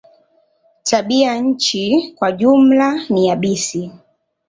Tabianchi kwa jumla ni yabisi.